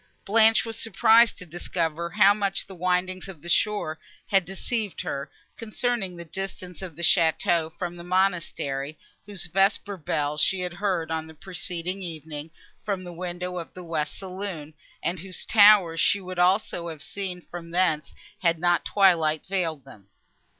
Blanche was surprised to discover how much the windings of the shore had deceived her, concerning the distance of the château from the monastery, whose vesper bell she had heard, on the preceding evening, from the windows of the west saloon, and whose towers she would also have seen from thence, had not twilight veiled them.